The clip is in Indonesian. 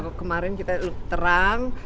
kemarin kita terang